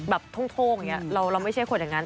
โท่งอย่างนี้เราไม่ใช่คนอย่างนั้น